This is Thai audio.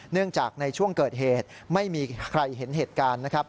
เนื่องจากในช่วงเกิดเหตุไม่มีใครเห็นเหตุการณ์นะครับ